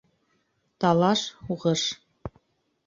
Талаш, һуғыш.